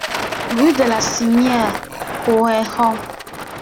Rue de la Sinière, Couëron